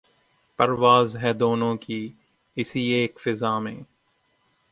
پرواز ہے دونوں کی اسی ایک فضا میں